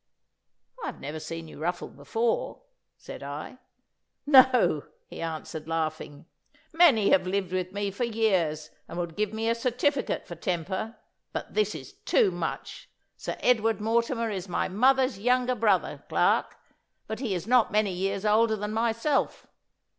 'I have never seen you ruffled before,' said I. 'No,' he answered, laughing. 'Many have lived with me for years and would give me a certificate for temper. But this is too much. Sir Edward Mortimer is my mother's younger brother, Clarke, but he is not many years older than myself.